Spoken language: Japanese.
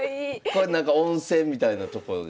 これ温泉みたいなところですか？